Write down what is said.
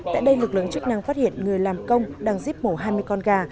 tại đây lực lượng chức năng phát hiện người làm công đang giếp mổ hai mươi con gà